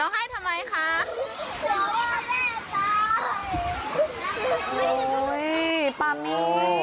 โอ๊ยปามี่